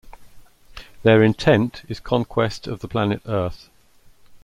Their intent is conquest of the planet Earth.